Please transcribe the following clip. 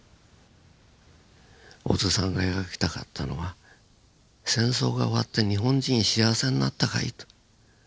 小津さんが描きたかったのは「戦争が終わって日本人幸せになったかい？」と。